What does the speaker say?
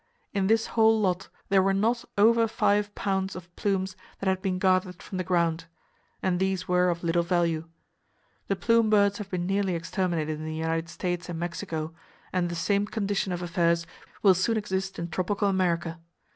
In this whole lot there were not over five pounds of plumes that had been gathered from the ground—and these were of little value. The plume birds have been nearly exterminated in the United States and Mexico, and the same condition of affairs will soon exist in tropical America.